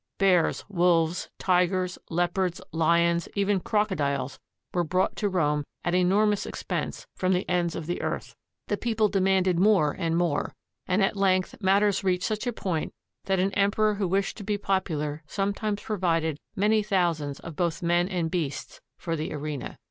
Bears, wolves, tigers, leopards, lions, even crocodiles were brought to Rome at enormous expense from the ends of the earth. The people demanded more and more, and at length matters reached such a point that an emperor who wished to be popu lar sometimes provided many thousands of both men and beasts for the arena.